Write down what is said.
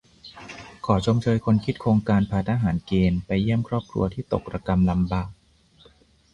ขอชมเชยคนคิดโครงการพาทหารเกณฑ์ไปเยี่ยมครอบครัวที่ตกระกำลำบาก